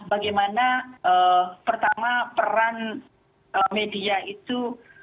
bagaimana pertama peran media itu